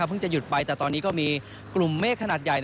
เพิ่งจะหยุดไปแต่ตอนนี้ก็มีกลุ่มเมฆขนาดใหญ่